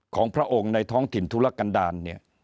ของพระองค์ในท้องถิ่นธุรกันดาลเนี่ย